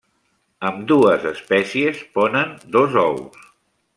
Ambdues espècies ponen dos ous.